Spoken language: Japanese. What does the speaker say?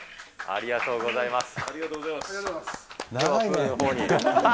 ありがとうございます。